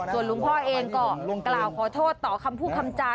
ส่วนหลวงพ่อเองก็กล่าวขอโทษต่อคำพูดคำจา